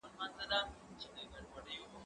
دا شګه له هغه پاکه ده